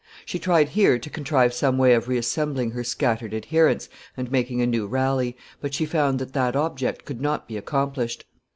She tried here to contrive some way of reassembling her scattered adherents and making a new rally, but she found that that object could not be accomplished.